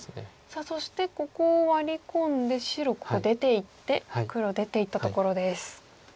そしてここをワリ込んで白ここ出ていって黒出ていったところです。